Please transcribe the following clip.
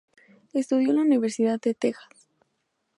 Estudió en la Universidad de Texas.